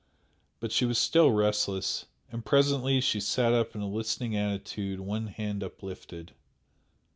But she was still restless, and presently she sat up in a listening attitude, one hand uplifted.